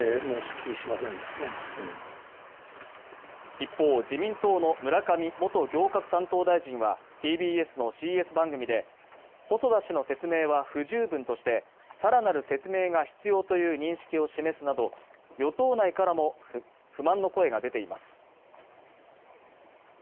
一方、自民党の村上元行革担当大臣はＴＢＳのＣＳ番組で、細田氏の説明は不十分として更なる説明が必要という認識を示すなど与党内からも不満の声が出ています。